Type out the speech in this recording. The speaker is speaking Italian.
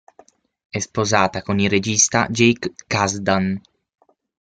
È sposata con il regista Jake Kasdan.